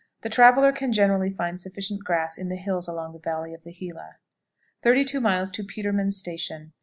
The traveler can generally find sufficient grass in the hills along the valley of the Gila. 32. Peterman's Station.